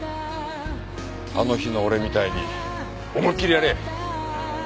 あの日の俺みたいに思いっきりやれ！